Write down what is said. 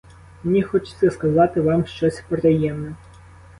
Мені хочеться сказати вам щось приємне.